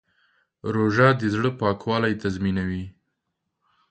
روژه د زړه پاکوالی تضمینوي.